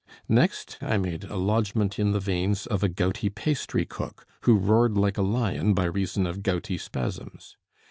Next I made a lodgment in the veins of a gouty pastry cook, who roared like a lion by reason of gouty spasms.